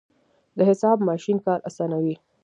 د حساب ماشین کار اسانوي.